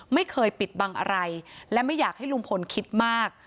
ไม่เคยปิดบังอะไรและไม่อยากให้ลุงพลคิดมาก